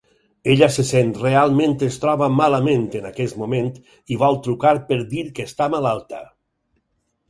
Ella se sent realment es troba malament en aquest moment i vol trucar per dir que està malalta.